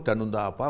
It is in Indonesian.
dan untuk apa